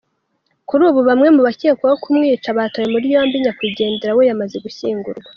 Kuri ubu bamwe mu bakekwaho kumwica batawe muri yombi, nyakwigendera we yamaze gushyingurwa.